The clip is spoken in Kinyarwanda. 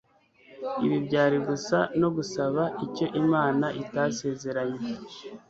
Ibi byari gusa no gusaba icyo Imana itasezeranye